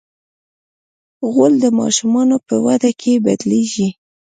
غول د ماشومانو په وده کې بدلېږي.